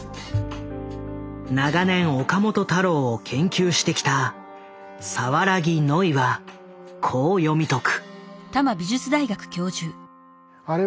長年岡本太郎を研究してきた椹木野衣はこう読み解く。